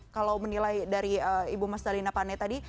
kalau menilai dari ibu mas dalina pane tadi